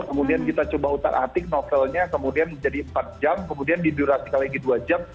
kemudian kita coba utar atik novelnya kemudian menjadi empat jam kemudian didurasikan lagi dua jam